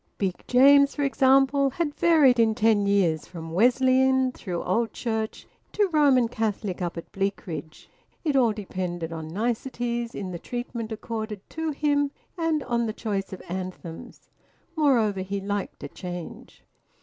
Big James, for example, had varied in ten years from Wesleyan, through Old Church, to Roman Catholic up at Bleakridge. It all depended on niceties in the treatment accorded to him, and on the choice of anthems. Moreover, he liked a change.